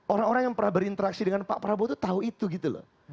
orang orang yang pernah berinteraksi dengan pak prabowo itu tahu itu gitu loh